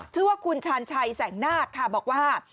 ชื่อว่าคุณชาญชัยแสงนาคค่ะบอกว่า